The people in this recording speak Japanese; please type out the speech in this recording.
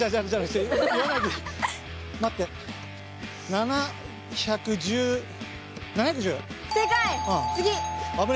７１０７１０！